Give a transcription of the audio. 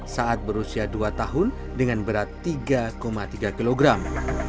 saat berusia dua tahun dengan berat tiga tiga kilogram